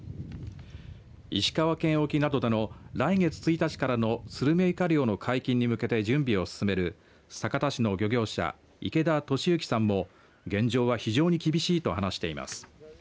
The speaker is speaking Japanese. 石川県沖などでの来月１日からのスルメイカ漁の解禁に向けて準備を進める酒田市の漁業者池田敏行さんも現状は非常に厳しいと話しています。